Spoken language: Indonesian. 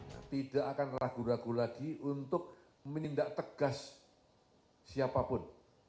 nah tidak akan ragu ragu lagi untuk menindak tegas siapapun